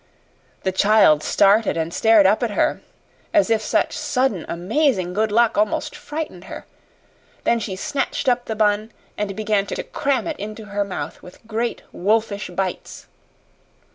The child started and stared up at her, as if such sudden, amazing good luck almost frightened her; then she snatched up the bun and began to cram it into her mouth with great wolfish bites.